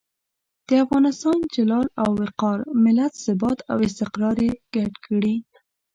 د افغانستان جلال او وقار، ملت ثبات او استقرار یې ګډ کړي.